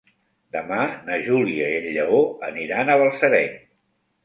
Demà na Júlia i en Lleó aniran a Balsareny.